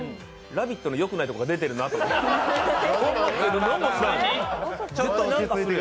「ラヴィット！」のよくないところが出てるなって。